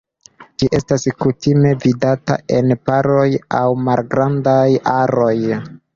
Ĝi estas kutime vidata en paroj aŭ malgrandaj aroj.